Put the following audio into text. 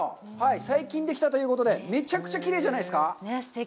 最近できたということで、めちゃくちゃきれいじゃないですか？